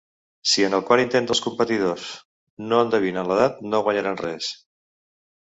Si en el quart intent dels competidors no endevinen l'edat, no guanyaran res.